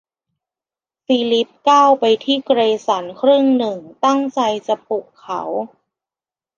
ฟิลิปก้าวไปที่เกรสันครึ่งหนึ่งตั้งใจจะปลุกเขา